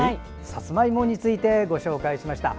さつまいもについてご紹介しました。